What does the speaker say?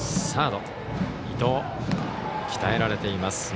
サード伊藤鍛えられています。